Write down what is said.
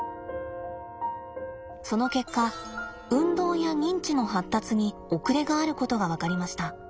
その結果運動や認知の発達に遅れがあることが分かりました。